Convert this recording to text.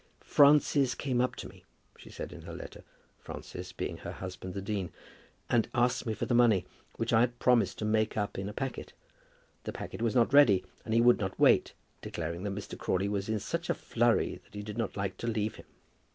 "Francis came up to me," she said in her letter, Francis being her husband, the dean, "and asked me for the money, which I had promised to make up in a packet. The packet was not ready, and he would not wait, declaring that Mr. Crawley was in such a flurry that he did not like to leave him.